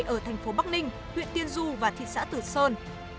ở thành phố bắc ninh huyện tiên du và thị xã tử sơn